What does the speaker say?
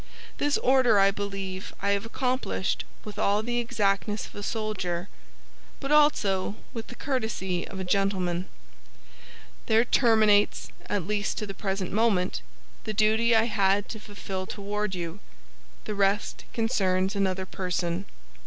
This order I believe I have accomplished with all the exactness of a soldier, but also with the courtesy of a gentleman. There terminates, at least to the present moment, the duty I had to fulfill toward you; the rest concerns another person."